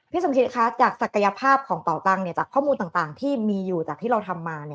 สมคิตคะจากศักยภาพของเป่าตังค์จากข้อมูลต่างที่มีอยู่จากที่เราทำมา